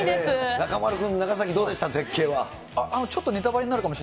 中丸君、長崎、どうでした？